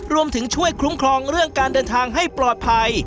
รวมถึงช่วยคุ้มครองเรื่องการเดินทางให้ปลอดภัย